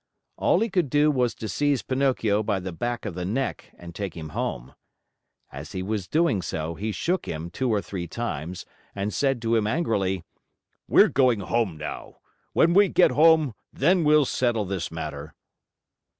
All he could do was to seize Pinocchio by the back of the neck and take him home. As he was doing so, he shook him two or three times and said to him angrily: "We're going home now. When we get home, then we'll settle this matter!"